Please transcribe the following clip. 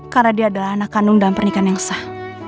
karena dia adalah anak kandung dalam pernikahan yang sah